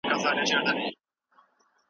د نجونو لیلیه په خپلسري ډول نه ویشل کیږي.